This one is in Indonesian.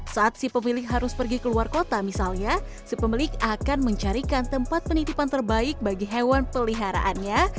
saat si pemilik harus pergi ke luar kota misalnya si pemilik akan mencarikan tempat penitipan terbaik bagi hewan peliharaannya